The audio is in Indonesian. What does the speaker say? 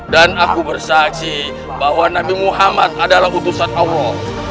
dan aku bersaksi bahwa nabi muhammad adalah utusan allah